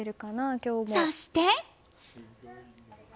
そして。